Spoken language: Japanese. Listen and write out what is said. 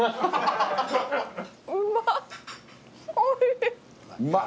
うまっ。